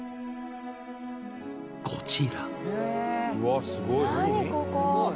［こちら］